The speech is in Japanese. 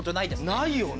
ないよね。